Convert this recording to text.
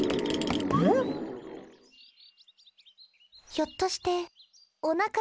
ひょっとしておなかすいた音？